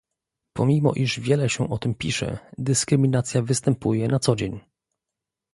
Pomimo iż wiele się o tym pisze, dyskryminacja występuje na co dzień